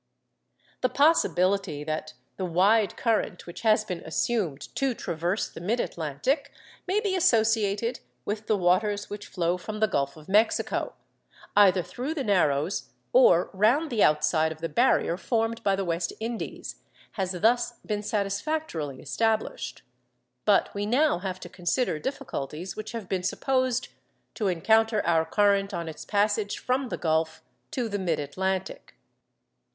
The possibility that the wide current which has been assumed to traverse the mid Atlantic may be associated with the waters which flow from the Gulf of Mexico, either through the Narrows or round the outside of the barrier formed by the West Indies, has thus been satisfactorily established. But we now have to consider difficulties which have been supposed to encounter our current on its passage from the Gulf to the mid Atlantic.